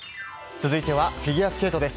続いてはフィギュアスケートです。